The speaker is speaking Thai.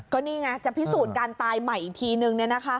ก็นี่ไงจะพิสูจน์การตายใหม่อีกทีนึง